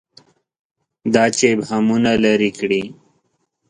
دا چې ابهامونه لري کړي.